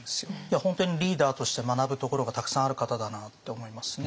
本当にリーダーとして学ぶところがたくさんある方だなって思いますね。